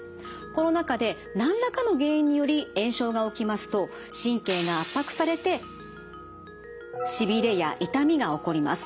この中で何らかの原因により炎症が起きますと神経が圧迫されてしびれや痛みが起こります。